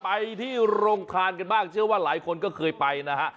ไปที่โรงทานกันบ้างเชื่อว่าหลายคนก็เคยไปนะฮะ